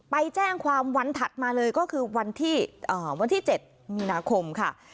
ไปแจ้งความวันถัดมาเลยก็คือวันที่๗มีนาคมค่ะ